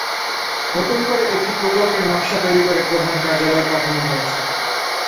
নতুন করে একটি প্রকল্পের নকশা তৈরি করে প্রধান কার্যালয়ে পাঠানো হয়েছে।